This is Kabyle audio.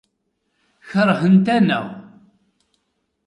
Keṛhent-aneɣ.